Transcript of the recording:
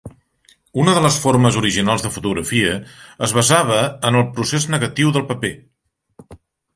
Una de les formes originals de fotografia es basava en el procés negatiu del paper.